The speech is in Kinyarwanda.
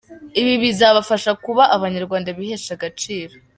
Ibi bizabafasha kuba abanyarwanda bihesha agaciro.